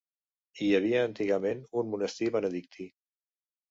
Hi havia antigament un monestir benedictí.